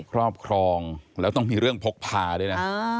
ครอบครองแล้วต้องมีเรื่องพกพาด้วยนะ